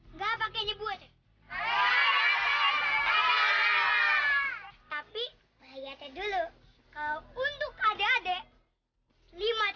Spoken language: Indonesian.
enggak pakenya buat